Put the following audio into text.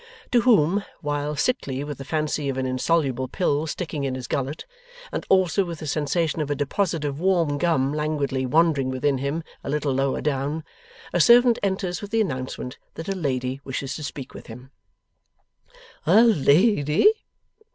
To whom, while sickly with the fancy of an insoluble pill sticking in his gullet, and also with the sensation of a deposit of warm gum languidly wandering within him a little lower down, a servant enters with the announcement that a lady wishes to speak with him. 'A lady!